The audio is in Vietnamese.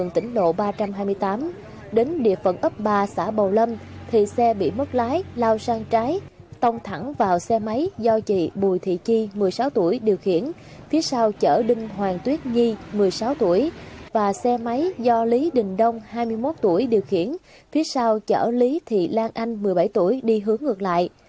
phần ấp ba xã bầu lâm thì xe bị mất lái lao sang trái tông thẳng vào xe máy do chị bùi thị chi một mươi sáu tuổi điều khiển phía sau chở đinh hoàng tuyết nhi một mươi sáu tuổi và xe máy do lý đình đông hai mươi một tuổi điều khiển phía sau chở lý thị lan anh một mươi bảy tuổi đi hướng ngược lại